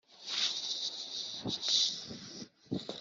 muri iki gice tuzakoresha izina korowani